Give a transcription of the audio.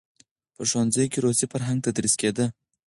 په ښوونځیو کې روسي فرهنګ تدریس کېده.